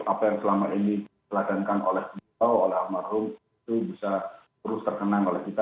apa yang selama ini diteladankan oleh beliau oleh almarhum itu bisa terus terkenang oleh kita